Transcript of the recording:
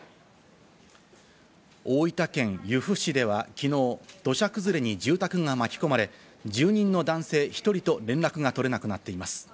大分県由布市ではきのう、土砂崩れに住宅が巻き込まれ、住人の男性１人と連絡が取れなくなっています。